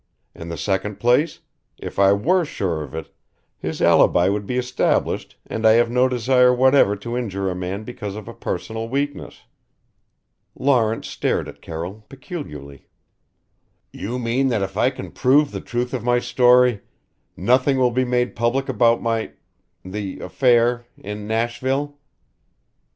In the second place, if I were sure of it his alibi would be established and I have no desire whatever to injure a man because of a personal weakness." Lawrence stared at Carroll peculiarly. "You mean that if I can prove the truth of my story, nothing will be made public about my the affair in Nashville?"